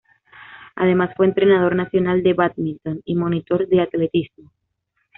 Además fue entrenador nacional de bádminton y monitor de atletismo.